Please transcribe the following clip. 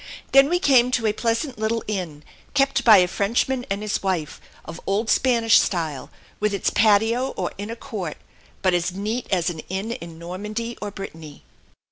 Then we came to a pleasant little inn, kept by a Frenchman and his wife, of old Spanish style, with its patio, or inner court, but as neat as an inn in Normandy or Brittany.